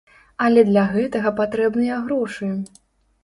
Але для гэтага патрэбныя грошы.